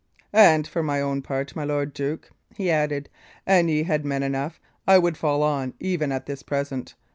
"And for mine own part, my lord duke," he added, "an ye had men enough, I would fall on even at this present.